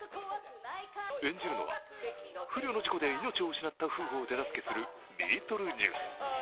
演じるのは、不慮の事故で命を失った夫婦を手助けするビートルジュース。